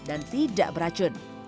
dan juga tidak beracun